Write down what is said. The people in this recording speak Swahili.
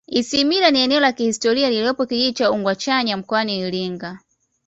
isimila ni eneo la kihistoria lililo kijiji cha ugwachanya mkoani iringa